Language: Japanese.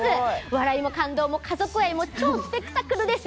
笑いも感動も家族愛も超スペクタクルです。